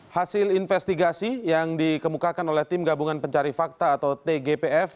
hasil investigasi yang dikemukakan oleh tim gabungan pencari fakta atau tgpf